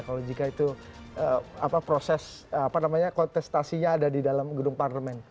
kalau jika itu proses kontestasinya ada di dalam gedung parlemen